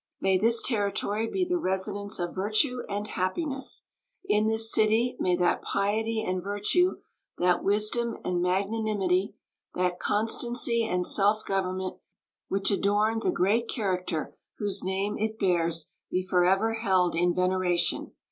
May this territory be the residence of virtue and happiness! In this city may that piety and virtue, that wisdom and magnanimity, that constancy and self government, which adorned the great character whose name it bears be forever held in veneration!